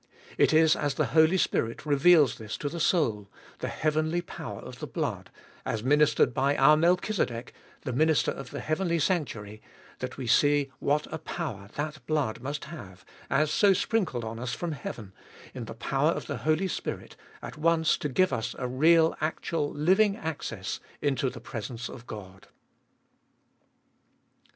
It is as the Holy Spirit reveals this to the soul, the heavenly power of the blood, as ministered by our Melchizedek, the minister of the heavenly sanctuary, that we see what a power that blood must have, as so sprinkled on us from heaven, in the power of the Holy Spirit, at once to give us a real, actual, living access into the presence of God.